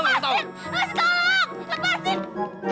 lepasin lepasin tolong lepasin